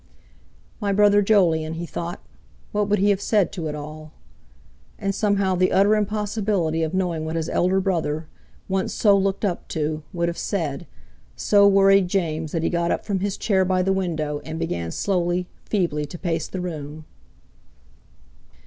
"My brother Jolyon," he thought, "what would he have said to it all?" And somehow the utter impossibility of knowing what his elder brother, once so looked up to, would have said, so worried James that he got up from his chair by the window, and began slowly, feebly to pace the room.